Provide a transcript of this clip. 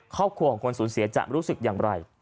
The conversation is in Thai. ครอบครัวของคนสูญเสียจะรู้สึกอย่างไร